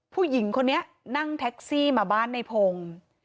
ผู้หญิงคนนี้นั่งแท็กซี่มาบ้านในพงศ์